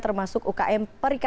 termasuk ukm periksa